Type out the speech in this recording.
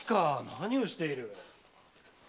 何をしている？